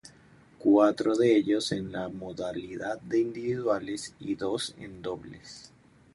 Cuatro de ellos en la modalidad de individuales y dos en dobles.